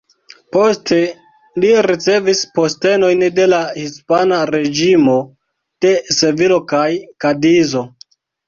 Poste li ricevis postenojn de la hispana reĝimo de Sevilo kaj Kadizo.